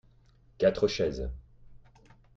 quatre chaises.